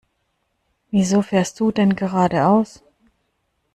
Wieso fährst du denn geradeaus?